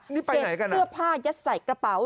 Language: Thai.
นี่ไปไหนกันนะเต็มเสื้อผ้ายัดใส่กระเป๋า